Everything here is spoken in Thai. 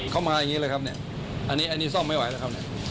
มาอย่างนี้เลยครับเนี่ยอันนี้ซ่อมไม่ไหวแล้วครับเนี่ย